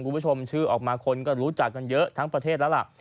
คุณผู้ชมชื่อออกมาคนก็รู้จักกันเยอะทั้งประเทศแล้วล่ะ